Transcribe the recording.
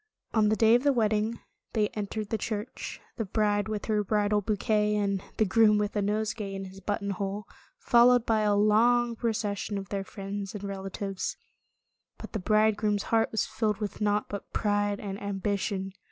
On the day of the wedding they entered 129 130 Tales of Modern Germany the church, the bride with her bridal bouquet, and the groom with a nosegay in his buttonhole, followed by a long proces sion of their friends and relatives. But the bridegroom's heart was filled with naught but pride and ambition.